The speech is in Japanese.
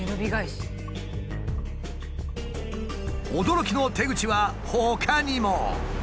驚きの手口はほかにも。